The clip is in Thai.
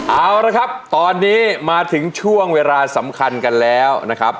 เอาละครับตอนนี้มาถึงช่วงเวลาสำคัญกันแล้วนะครับ